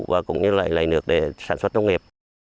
và cũng như lại lấy nước để sản xuất nông nghiệp